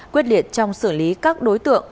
quyết liệt trong xử lý các đối tượng